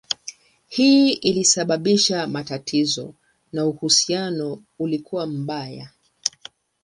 Hii ilisababisha matatizo na uhusiano ulikuwa mbaya.